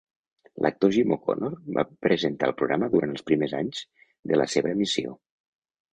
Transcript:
L'actor Jim O'Connor va presentar el programa durant els primers anys de la seva emissió.